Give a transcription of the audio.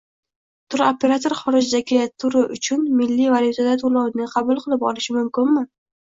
turoperator xorijdagi turi uchun milliy valyutada to’lovni qabul qilib olishi mumkinmi?